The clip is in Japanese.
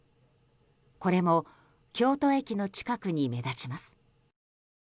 これも京都駅の近くに目立ちます。